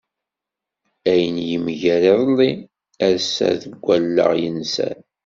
Ayen yemger iḍelli, ass-a seg wallaɣ yenser.